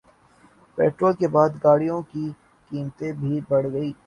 petrol کے بعد گاڑیوں کی قیمتیں بھی بڑھ گئیں